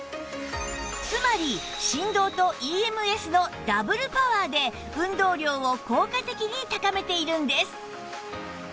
つまり振動と ＥＭＳ のダブルパワーで運動量を効果的に高めているんです